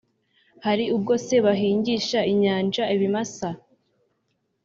hari ubwo se bahingisha inyanja ibimasa,